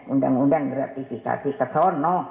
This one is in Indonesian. undang undang gratifikasi kesono